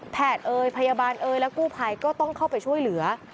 เอ่ยพยาบาลเอ่ยและกู้ภัยก็ต้องเข้าไปช่วยเหลือ